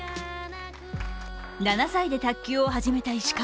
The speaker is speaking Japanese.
７歳で卓球を始めた石川。